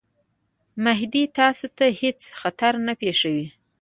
مهدي تاسي ته هیڅ خطر نه پېښوي.